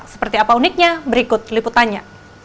seperti apa uniknya berikut liputannya